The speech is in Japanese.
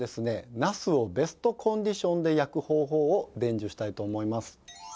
なすをベストコンディションで焼く方法を伝授したいと思います。